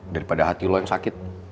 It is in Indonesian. daripada hati lo yang sakit